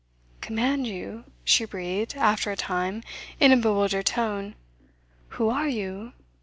"Command you?" she breathed, after a time, in a bewildered tone. "Who are you?"